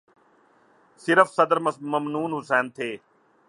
صرف صدر ممنون حسین تھے۔